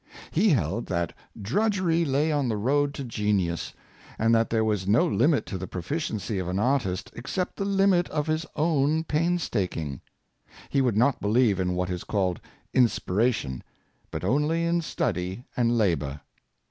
He held that drudgery lay on the road to genius, and that there was no limit to the proficiency of an artist except the limit of his own painstaking. He would not believe in what is called inspiration, but only in study and labor.